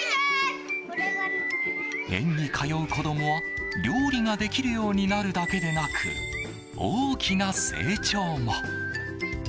園に通う子供は、料理ができるようになるだけでなく大きな成長も。